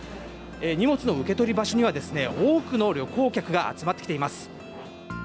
荷物の受け取り場所には多くの旅行客が集まってきています。